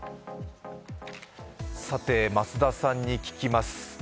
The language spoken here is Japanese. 増田さんに聞きます。